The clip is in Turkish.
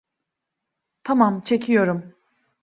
Tamam, çekiyorum.